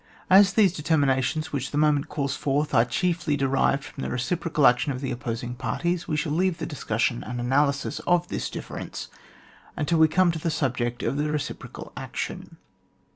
Ajb these determinations which the moment calls forth are chiefly de rived from the reciprocal action of the opposing parties, we shall leave the discussion and analysis of this difference until we come to the subject of the reci procal action.